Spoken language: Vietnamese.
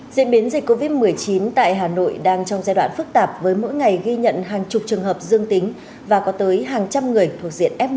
diễn biến dịch covid một mươi chín tại hà nội đang trong giai đoạn phức tạp với mỗi ngày ghi nhận hàng chục trường hợp dương tính và có tới hàng trăm người thuộc diện f một